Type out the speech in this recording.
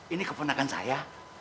ini keponakan saya